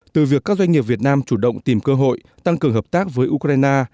từ việc các doanh nghiệp việt nam chủ động tìm cơ hội tăng cường hợp tác với ukraine